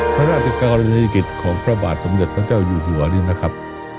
พระราชกรณียกิจของพระบาทสมเด็จพระเจ้าอยู่หัวนี่นะครับ